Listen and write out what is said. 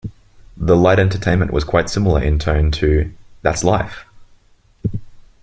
The light entertainment was quite similar in tone to That's Life!